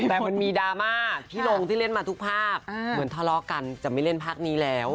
แต่มันมีดราม่าที่ลงที่เล่นมาทุกภาคเหมือนทะเลาะกันจะไม่เล่นภาพนี้แล้ว